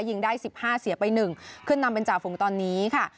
ยิงได้๑๕เสียไป๑ขึ้นนำเป็นจ่าฝูงตอนนี้ค่ะ